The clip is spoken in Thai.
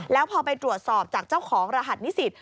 แล้วพอไปตรวจสอบจากเจ้าของรหัสนิสิต